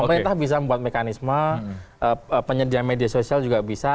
pemerintah bisa membuat mekanisme penyedia media sosial juga bisa